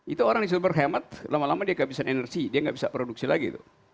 itu orang disuruh berhemat lama lama dia tidak bisa energi dia tidak bisa produksi lagi itu